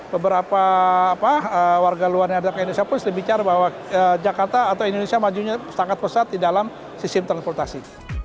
beberapa warga luar yang ada ke indonesia pun sudah bicara bahwa jakarta atau indonesia majunya sangat pesat di dalam sistem transportasi